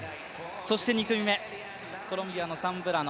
そして２組目、コロンビアのサンブラノ。